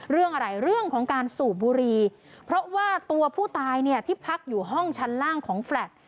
เรื่องอะไรเรื่องของการสูบบุรีเพราะว่าตัวผู้ตายเนี่ยที่พักอยู่ห้องชั้นล่างของแฟลต์